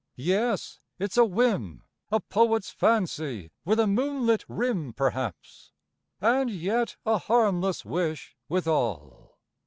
yes, it's a whim A Poet's fancy with a moonlit rim Perhaps—and yet a harmless wish withal.